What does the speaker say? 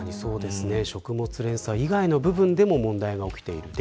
食物連鎖以外の部分でも問題が起きている。